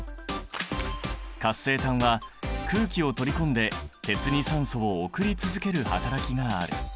活性炭は空気を取り込んで鉄に酸素を送り続ける働きがある。